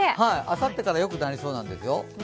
あさってから、よくなりそうなんですよ。